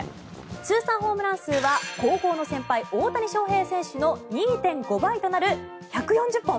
通算ホームラン数は高校の先輩、大谷翔平選手の２．５倍となる１４０本。